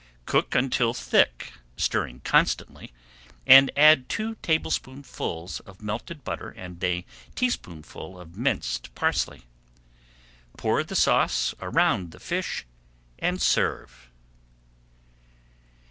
Cook until thick, stirring constantly, and add two tablespoonfuls of melted butter and a teaspoonful of minced parsley. Pour the sauce around the fish and serve.